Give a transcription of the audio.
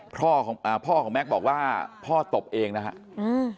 พ่อของแม็กซ์บอกว่าพ่อตบเองนะครับ